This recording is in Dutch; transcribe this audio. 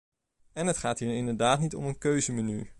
En het gaat hier inderdaad niet om een keuzemenu.